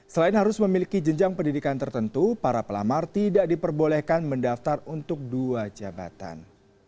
selain harus memiliki jenjang pendidikan tertentu para pelamar tidak diperbolehkan mendaftar untuk dua jabatan